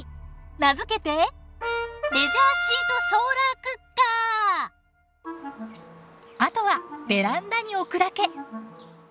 名付けてあとはベランダに置くだけ。